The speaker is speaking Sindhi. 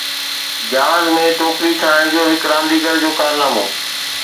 جهاز مان ٽوڪري ٺاهڻ جو هڪ رانديگر جو ڪارنامو